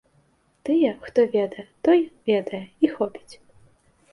Тыя, хто ведае, той ведае, і хопіць.